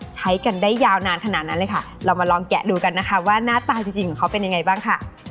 ใช้กันได้ยาวนานขนาดนั้นเลยค่ะเรามาลองแกะดูกันนะคะว่าหน้าตาจริงของเขาเป็นยังไงบ้างค่ะ